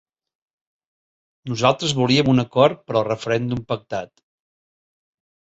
Nosaltres volíem un acord per al referèndum pactat.